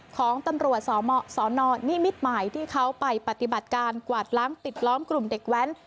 ของตำรวจสนนิมิตรใหม่ที่เขาไปปฏิบัติการกวาดล้างปิดล้อมกลุ่มเด็กแว้น